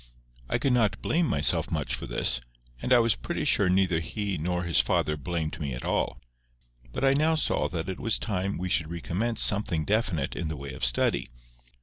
I could not blame myself much for this, and I was pretty sure neither he nor his father blamed me at all; but I now saw that it was time we should recommence something definite in the way of study.